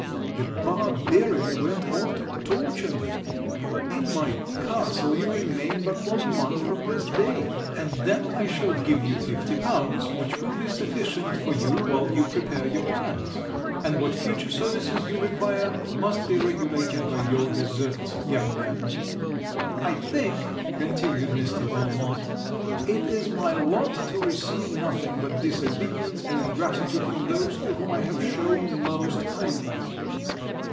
The barbarian went on to torture me: In my castle you remain but one month from this day. And then I shall give you L.50 which will be sufficient for you, while you prepare your plans, and what future services you require, must be regulated by your deserts, young man.' 'I think,' continued Mr. Valmont, 'it is my lot to receive nothing but disobedience and ingratitude from those to whom I have shown most kindness.